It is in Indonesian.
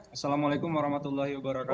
assalamualaikum warahmatullahi wabarakatuh